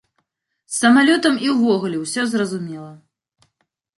З самалётам і ўвогуле ўсё зразумела.